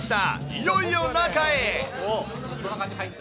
いよいよ中へ。